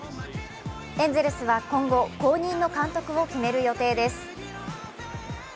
エンゼルスは今後、後任の監督を決める予定です。